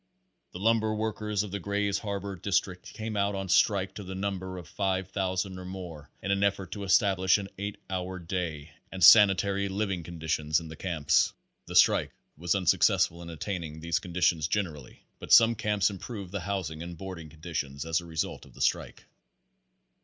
The lumber workers of the Grays Harbor district came out on strike to the number of 5,000 or more in an effort to establish an eight hour day and sanitary liv ing conditions in the camps. The strike was unsuccess ful in obtaining these conditions generally, but some camps improved the housing and boarding conditions as a result of the strike.